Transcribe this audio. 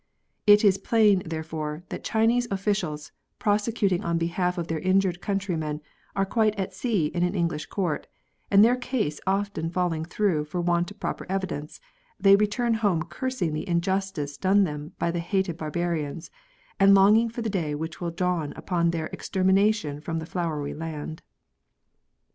It is plain, therefore, that Chinese officials prosecuting on behalf of their injured country men, are quite at sea in an English court, and their case often falling through for want of proper evidence, they return home cursing the injustice done them by the hated barbarians, and longing for the day which will dawn upon their extermination from the Flowery Land.